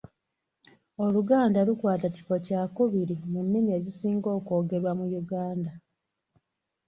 Oluganda lukwata kifo kyakubiri mu nnimi ezisinga okwogerwa mu Yuganda.